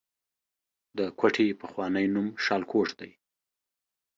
د کوټې پخوانی نوم شالکوټ دی